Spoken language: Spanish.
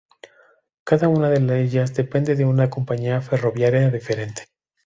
Cada una de ellas depende de una compañía ferroviaria diferente.